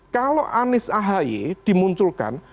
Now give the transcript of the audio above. kalau anies ahaye dimunculkan